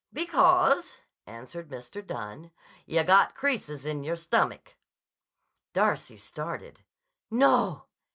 "Because," answered Mr. Dunne, "yah got creases in your stomach." Darcy started. "No!